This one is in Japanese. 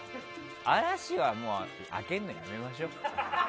嵐は開けるのやめましょう。